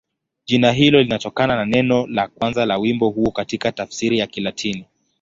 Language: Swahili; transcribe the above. Jina hilo linatokana na neno la kwanza la wimbo huo katika tafsiri ya Kilatini.